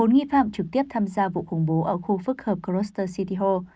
bốn nghi phạm trực tiếp tham gia vụ khủng bố ở khu phức hợp gloucester city hall